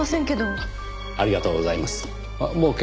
ありがとうございます。